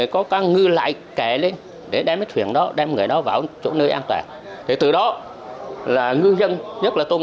có ba mươi tổ đoàn kết một mươi tổ hợp tác để phát huy được tinh thần đoàn kết